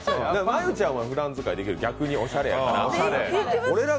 真悠ちゃんはふだん使いできる、逆におしゃれやから。